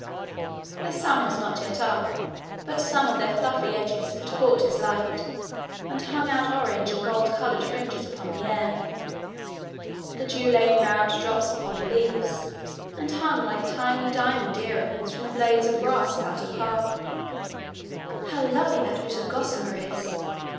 The sun was not yet up, but some of their fluffy edges had caught his light, and hung out orange and gold coloured fringes upon the air. The dew lay in round drops upon the leaves, and hung like tiny diamond ear rings from the blades of grass about her path. 'How lovely that bit of gossamer is!'